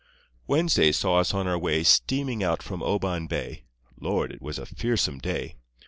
Wednesday saw us on our way Steaming out from Oban Bay, (Lord, it was a fearsome day!)